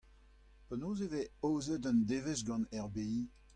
Penaos e vez aozet un devezh gant R B I ?